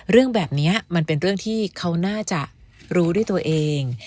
เรื่องแบบนี้มันเป็นเรื่องที่เขาน่าจะรู้ด้วยตัวเอง